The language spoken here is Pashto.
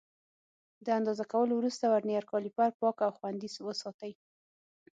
د اندازه کولو وروسته ورنیز کالیپر پاک او خوندي وساتئ.